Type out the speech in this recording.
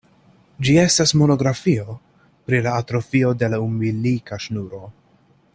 Ĝi estas monografio pri la atrofio de l' umbilika ŝnuro.